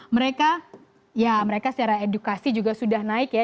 mereka ya mereka secara edukasi juga sudah naik ya